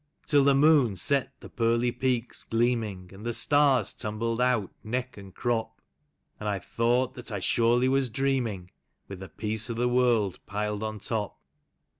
Till the moon set the pearly peaks gloaming, And the stars tumbled out, neck and crop ; And I've thought that I surely was dreaming, With the peace o' the world piled on top.